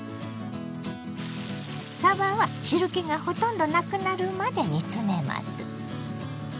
さばは汁けがほとんどなくなるまで煮詰めます。